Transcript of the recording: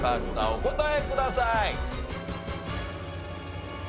お答えください。